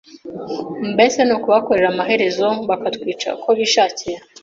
Mbese ni ukubakorera amaherezo bakatwica uko bishakiye